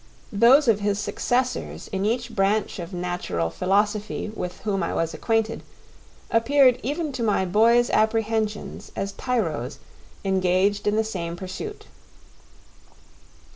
Those of his successors in each branch of natural philosophy with whom I was acquainted appeared even to my boy's apprehensions as tyros engaged in the same pursuit.